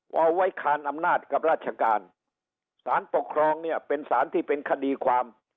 เอาไว้คานอำนาจกับราชการสารปกครองเนี่ยเป็นสารที่เป็นคดีความ